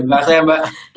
ya gak kerasa ya mbak